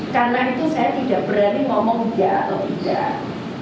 karena itu saya tidak berani ngomong ya atau tidak